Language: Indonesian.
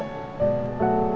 kayanya apa opa devin ngerti